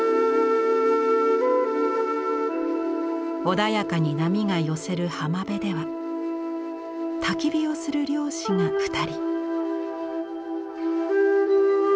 穏やかに波が寄せる浜辺ではたき火をする漁師が２人。